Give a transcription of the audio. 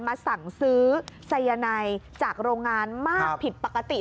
มาสั่งซื้อสายนายจากโรงงานมากผิดปกติ